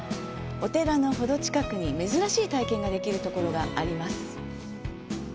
お寺のほど近くに珍しい体験ができるところがあります。